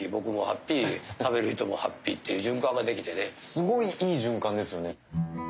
すごいいい循環ですよね。